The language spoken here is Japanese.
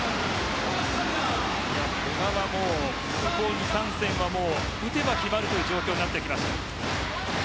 古賀はここ２、３戦は打てば決まるという状況になってきました。